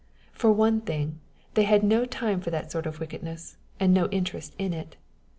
For one thing, they had no time for that sort of wickedness, and took no interest in it.